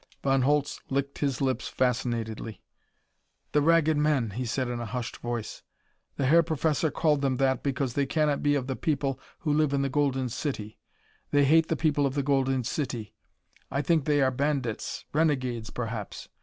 Von Holtz licked his lips fascinatedly. "The Ragged Men," he said in a hushed voice. "The Herr Professor called them that, because they cannot be of the people who live in the Golden City. They hate the people of the Golden City. I think that they are bandits; renegades, perhaps.